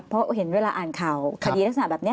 เพราะเห็นเวลาอ่านข่าวคดีลักษณะแบบนี้